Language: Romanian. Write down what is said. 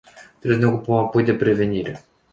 Trebuie să ne ocupăm apoi de prevenire.